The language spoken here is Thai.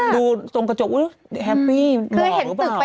ดูตรงกระจกฮึแฮปปี้หม่อหรือเปล่า